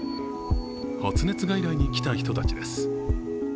発熱外来に来た人たちです。